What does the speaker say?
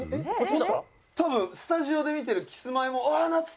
「多分スタジオで見てるキスマイも」